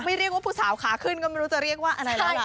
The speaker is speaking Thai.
เรียกว่าผู้สาวขาขึ้นก็ไม่รู้จะเรียกว่าอะไรแล้วล่ะ